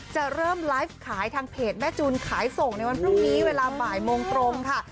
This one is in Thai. จะเริ่มไลฟ์ขายทางเพจแม่จูนขายส่งในวันพรุ่งนี้เวลาบ่ายโมงตรงค่ะ